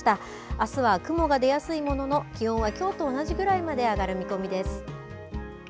あすは雲が出やすいものの、気温はきょうと同じくらいまで上がる見込みです。